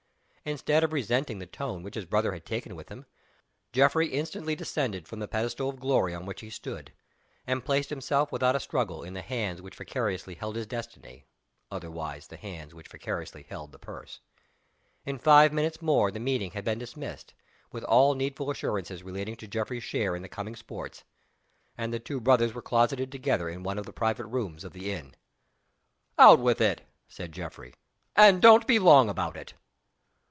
Instead of resenting the tone which his brother had taken with him, Geoffrey instantly descended from the pedestal of glory on which he stood, and placed himself without a struggle in the hands which vicariously held his destiny otherwise, the hands which vicariously held the purse. In five minutes more the meeting had been dismissed, with all needful assurances relating to Geoffrey's share in the coming Sports and the two brothers were closeted together in one of the private rooms of the inn. "Out with it!" said Geoffrey. "And don't be long about it."